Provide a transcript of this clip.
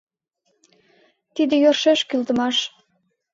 Тиде йӧршеш кӱлдымаш.